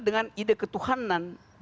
dengan ide ketuhanan